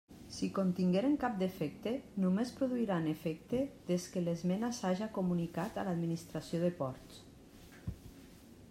Si contingueren cap defecte, només produiran efecte des que l'esmena s'haja comunicat a l'administració de Ports.